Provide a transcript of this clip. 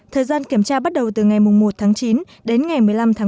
thời gian kiểm tra bắt đầu từ ngày một chín đến ngày một mươi năm một mươi hai nghìn một mươi sáu